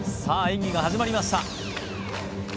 演技が始まりました